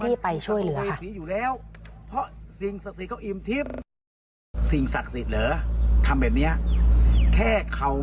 ไม่อยากให้แม่เป็นอะไรไปแล้วนอนร้องไห้แท่ทุกคืน